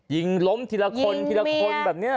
ยิงล้มทีละคนทีละคนแบบนี้